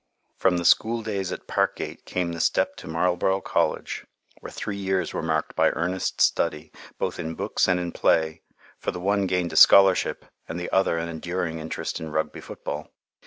From the school days at Parkgate came the step to Marlborough College, where three years were marked by earnest study, both in books and in play, for the one gained a scholarship and the other an enduring interest in Rugby football.